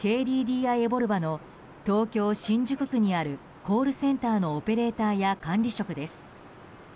エボルバの東京・新宿区にあるコールセンターのオペレーターや管理職です。